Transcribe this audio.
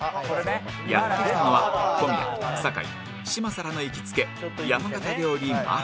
やって来たのは小宮坂井嶋佐らの行きつけ山形料理まら